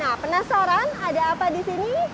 nah penasaran ada apa disini